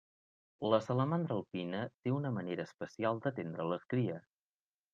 La salamandra alpina té una manera especial d'atendre les cries.